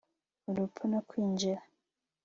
Urupfu no kwinjira